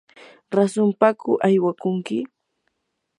¿rasunpaku aywakunki?